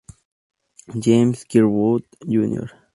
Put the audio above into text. James Kirkwood, Jr.